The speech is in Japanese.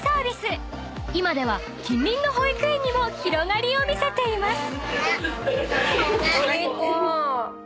［今では近隣の保育園にも広がりを見せています］